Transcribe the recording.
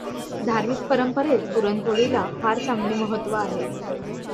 धामि॔क पंरपंरेत पुरणपोळीला फार चांगले महत्त्व आहे.